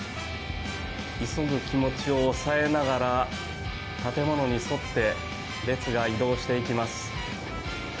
急ぐ気持ちを抑えながら建物に沿って列が移動していきます。